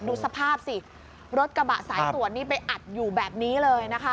ดูสภาพสิรถกระบะสายตรวจนี่ไปอัดอยู่แบบนี้เลยนะคะ